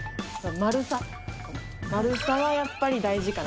丸さはやっぱり大事かな。